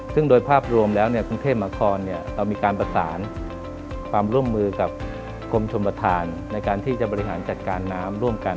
ซึ่งโดยภาพรวมแล้วกรุงเทพมหาคอนเรามีการประสานความร่วมมือกับกรมชมประธานในการที่จะบริหารจัดการน้ำร่วมกัน